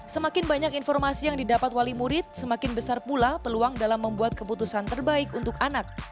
semakin banyak informasi yang didapat wali murid semakin besar pula peluang dalam membuat keputusan terbaik untuk anak